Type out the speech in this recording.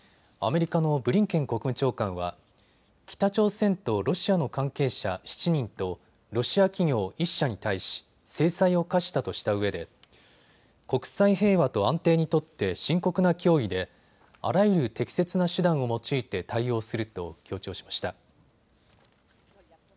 アメリカのブリンケン国務長官は北朝鮮とロシアの関係者７人とロシア企業１社に対し制裁を科したとしたうえで国際平和と安定にとって深刻な脅威であらゆる適切な手段を用いて対応すると強調しました。